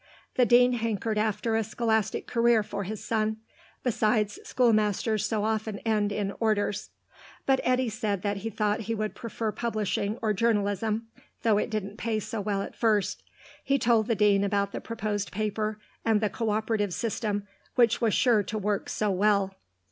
The Dean hankered after a scholastic career for his son; besides, schoolmasters so often end in Orders. But Eddy said he thought he would prefer publishing or journalism, though it didn't pay so well at first. He told the Dean about the proposed paper and the co operative system, which was sure to work so well.